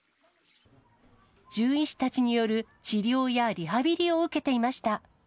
獣医師たちによる治療やリハビリを受けていました。